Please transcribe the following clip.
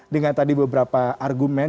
dengan tadi beberapa argumen